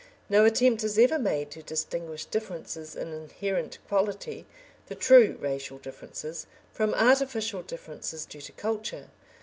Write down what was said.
No attempt is ever made to distinguish differences in inherent quality the true racial differences from artificial differences due to culture.